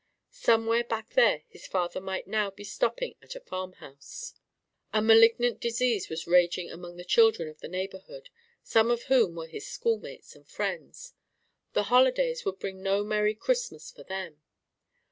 Somewhere back there his father might now be stopping at a farm house. A malignant disease was raging among the children of the neighborhood, some of whom were his schoolmates and friends; the holidays would bring no merry Christmas for them.